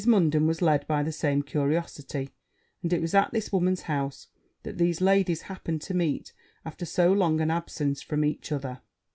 Munden was led by the same curiosity; and it was at this woman's house that these ladies happened to meet after so long an absence from each other.